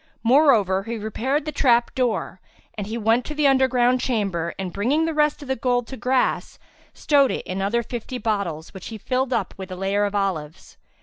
Moreover, he repaired the trap door and he went to the underground chamber and bringing the rest of the gold to grass, stowed it in other fifty bottles which he filled up with a layer of olives.